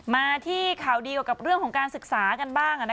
มาที่ข่าวดีเกี่ยวกับเรื่องของการศึกษากันบ้าง